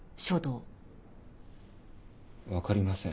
分かりません。